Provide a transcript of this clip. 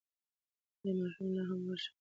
ایا ماشوم لا هم د وره تر شا ولاړ دی؟